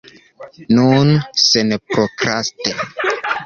Nun, senprokraste.